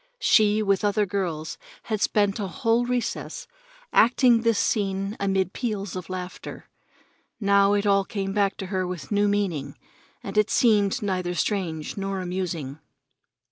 She, with other girls, had spent a whole recess acting this scene amid peals of laughter. Now it all came back to her with new meaning, and it seemed neither strange nor amusing.